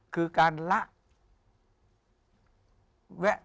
คือการละ